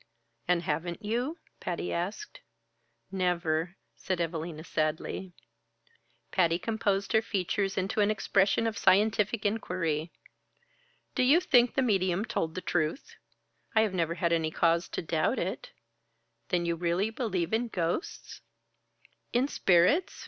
"And haven't you?" Patty asked. "Never," said Evalina sadly. Patty composed her features into an expression of scientific inquiry. "Do you think the medium told the truth?" "I've never had any cause to doubt it." "Then you really believe in ghosts?" "In spirits?"